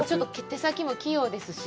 手先も器用ですし。